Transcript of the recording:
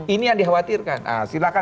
ini yang dikhawatirkan nah silakan